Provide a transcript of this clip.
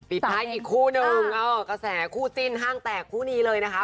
ปิดท้ายอีกคู่หนึ่งกระแสคู่จิ้นห้างแตกคู่นี้เลยนะคะ